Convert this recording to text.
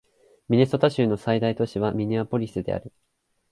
ミネソタ州の最大都市はミネアポリスである